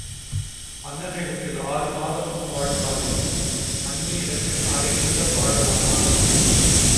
அண்ணனிடத்தில் ஆறு மாசம் வாழ்ந்தாலும் அண்ணியிடத்தில் அரை நிமிஷம் வாழலாமா?